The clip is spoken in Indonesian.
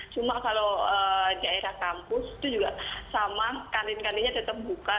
cuma kalau di daerah kampus itu juga sama kantin kantinnya tetap buka